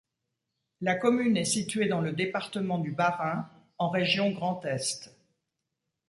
La commune est située dans le département du Bas-Rhin, en région Grand Est.